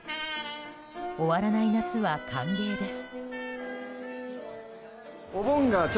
終わらない夏は歓迎です。